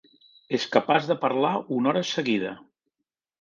És capaç de parlar una hora seguida.